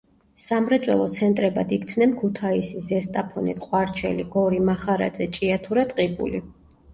სამრეწველო ცენტრებად იქცნენ ქუთაისი, ზესტაფონი, ტყვარჩელი, გორი, მახარაძე, ჭიათურა, ტყიბული.